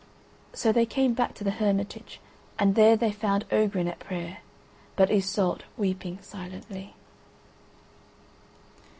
So they came back to the Hermitage, and there they found Ogrin at prayer, but Iseult weeping silently.